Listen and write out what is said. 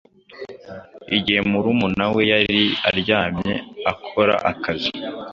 Igihe murumuna we yari aryamye akora akazi